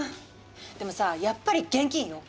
でもさあやっぱり現金よ。